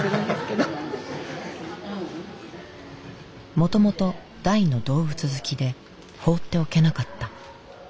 もともと大の動物好きで放っておけなかった。